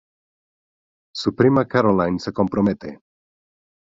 Su prima Caroline se compromete.